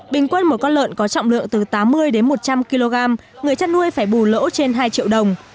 bình quân một con lợn có trọng lượng từ tám mươi đến một trăm linh kg người chăn nuôi phải bù lỗ trên hai triệu đồng